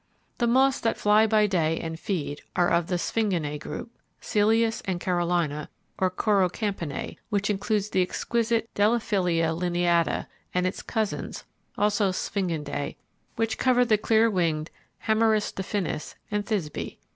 The moths that fly by day and feed are of the Sphinginae group, Celeus and Carolina, or Choerocampinae, which includes the exquisite Deilephila Lineata, and its cousins; also Sphingidae, which cover the clear winged Hemaris diffinis and Thysbe.